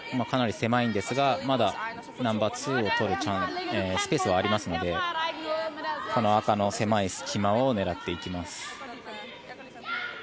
かなり狭いんですがまだナンバーツーを取るスペースはありますのでこの赤の狭い隙間を狙っていきます。